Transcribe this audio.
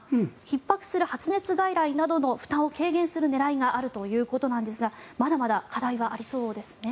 ひっ迫する発熱外来などの負担を軽減する狙いがあるということなんですがまだまだ課題はありそうですね。